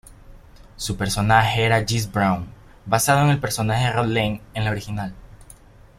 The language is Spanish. Su personaje era Jesse Braun, basado en el personaje Rod Lane en la original.